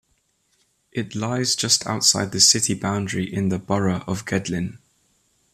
It lies just outside the city boundary in the Borough of Gedling.